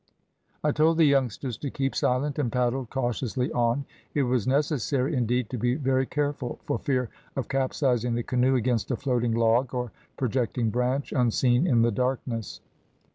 "I told the youngsters to keep silent, and paddled cautiously on. It was necessary, indeed, to be very careful, for fear of capsizing the canoe against a floating log or projecting branch, unseen in the darkness.